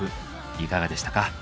いかがでしたか？